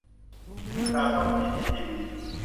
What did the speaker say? ติดตามช่องพีพีทีวี